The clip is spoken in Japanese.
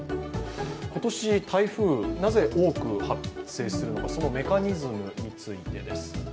今年、台風なぜ多く発生するのかそのメカニズムについてです。